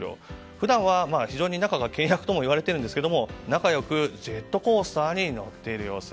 普段は非常に仲が険悪ともいわれていますが仲良くジェットコースターに乗っている様子。